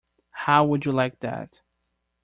How would you like that?